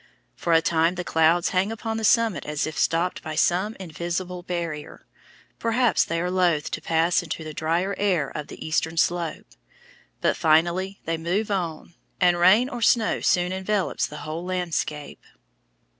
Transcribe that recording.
For a time the clouds hang upon the summit as if stopped by some invisible barrier; perhaps they are loath to pass into the drier air of the eastern slope. But finally they move on, and rain or snow soon envelops the whole landscape.